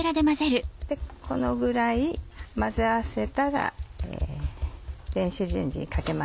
このぐらい混ぜ合わせたら電子レンジにかけますね。